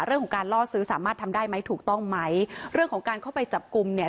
เรื่องของการล่อซื้อสามารถทำได้ไหมถูกต้องไหมเรื่องของการเข้าไปจับกลุ่มเนี่ย